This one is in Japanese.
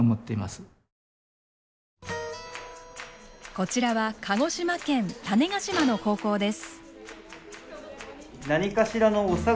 こちらは鹿児島県種子島の高校です。